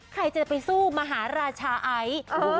ใครจะไปสู้มหาราชาไอซ์